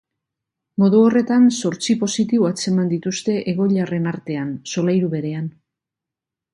Modu horretan, zortzi positibo atzeman dituzte egoiliarren artean, solairu berean.